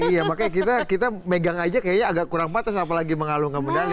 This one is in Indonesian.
iya makanya kita megang aja kayaknya agak kurang patas apalagi mengalung ke medali